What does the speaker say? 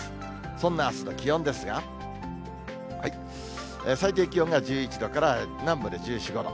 そんなあすの気温ですが、最低気温が１１度から南部で１４、５度。